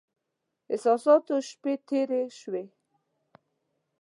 احساساتو شپې تېرې شوې.